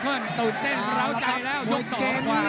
ตื่นเต้นร้าวใจแล้วยกสองกว่า